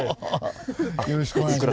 よろしくお願いします。